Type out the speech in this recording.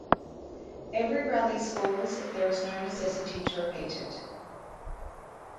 Every rally scores if there is no necessity to repeat it.